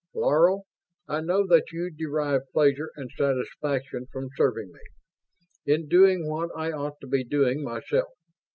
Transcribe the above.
"Laro, I know that you derive pleasure and satisfaction from serving me in doing what I ought to be doing myself.